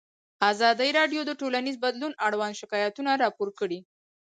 ازادي راډیو د ټولنیز بدلون اړوند شکایتونه راپور کړي.